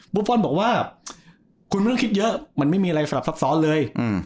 ฟอลบอกว่าคุณไม่ต้องคิดเยอะมันไม่มีอะไรสลับซับซ้อนเลย